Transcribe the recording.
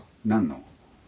何の？